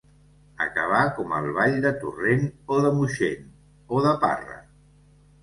Acabar com el ball de Torrent o de Moixent, o de Parra.